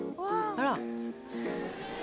「あら」